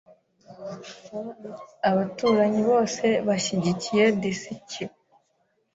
Abaturanyi bose bashyigikiye disiki .